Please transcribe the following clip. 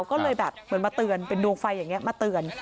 ก็เลยแบบเหมือนมาเตือนเป็นดวงไฟอย่างนี้มาเตือน